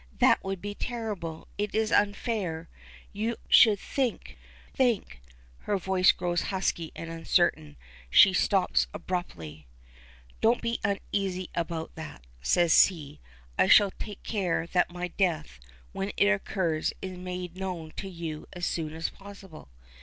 "That would be terrible. It is unfair. You should think think " Her voice grows husky and uncertain. She stops abruptly. "Don't be uneasy about that," says he. "I shall take care that my death, when it occurs, is made known to you as soon as possible.